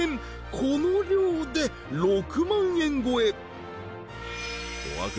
この量で６万円超え